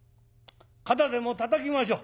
肩でもたたきましょう。